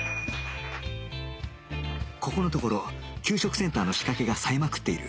ここのところ給食センターの仕掛けが冴えまくっている